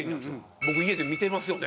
僕家で見てますよね。